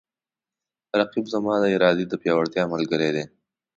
رقیب زما د ارادې د پیاوړتیا ملګری دی